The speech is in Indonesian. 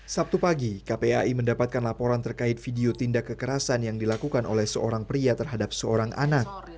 sabtu pagi kpai mendapatkan laporan terkait video tindak kekerasan yang dilakukan oleh seorang pria terhadap seorang anak